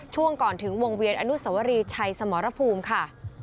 ช่วงก่อนถึงวงเวียนอนุสวรีชัยสมรภูมิค่ะ